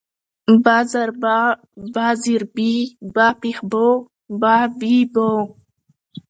ب زر با، ب زېر بي، ب پېښ بو، با بي بو